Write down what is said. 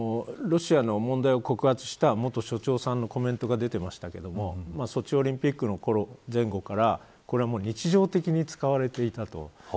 ロシアの問題を告発した元所長さんのコメントが出ていましたがソチオリンピックの前後からこれは日常的に使われていたと。